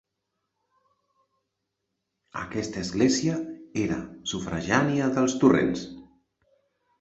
Aquesta església era sufragània dels Torrents.